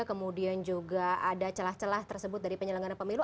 kemudian juga ada celah celah tersebut dari penyelenggara pemilu